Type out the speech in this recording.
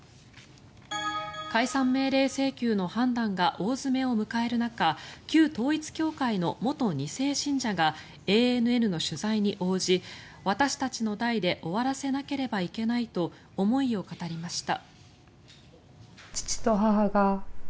解散命令請求の判断が大詰めを迎える中旧統一教会の元２世信者がＡＮＮの取材に応じ私たちの代で終わらせなければいけないと思いを語りました。